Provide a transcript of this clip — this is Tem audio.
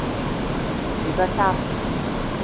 Iza caasi.